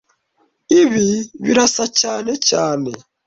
Ibi birasa cyane cyane